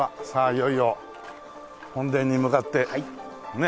いよいよ本殿に向かってねっ。